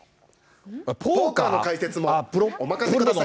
ポーカーの解説もお任せください。